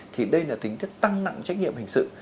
thì đây là tính thức tăng nặng trách nhiệm hình sự